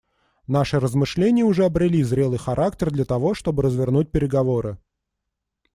Наши размышления уже обрели зрелый характер для того, чтобы развернуть переговоры.